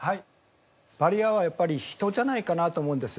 バリアはやっぱり人じゃないかなと思うんですよ。